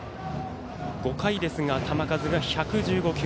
５回ですが球数が１１５球。